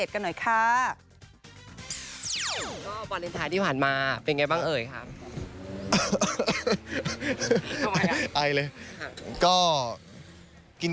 คุยกัน